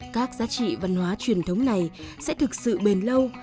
các giá trị văn hóa truyền thống này sẽ thực sự bền lâu